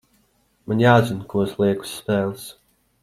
Man jāzina, ko es lieku uz spēles.